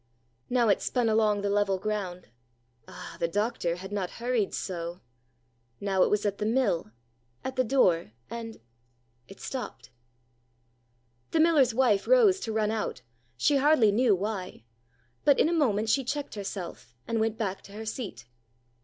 Now it spun along the level ground. Ah, the doctor had not hurried so! Now it was at the mill, at the door, and—it stopped. The miller's wife rose to run out, she hardly knew why. But in a moment she checked herself, and went back to her seat.